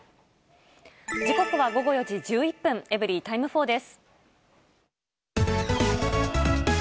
時刻は午後４時１１分、エブリィタイム４です。